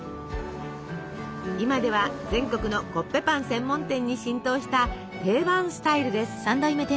今では全国のコッペパン専門店に浸透した定番スタイルです。